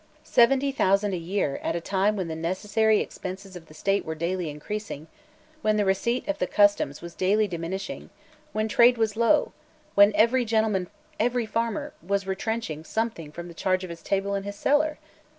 Seventy thousand a year at a time when the necessary expenses of the State were daily increasing, when the receipt of the customs was daily diminishing, when trade was low, when every gentleman, every farmer, was retrenching something from the charge of his table and his cellar!